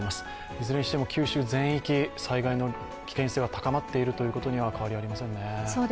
いずれにしても九州全域、災害の危険性が高まっていることには変わりありませんね。